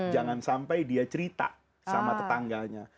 jangan sampai dia cerita sama tetangganya